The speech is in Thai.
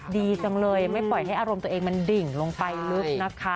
ดีจังเลยไม่ปล่อยให้อารมณ์ตัวเองมันดิ่งลงไปลึกนะคะ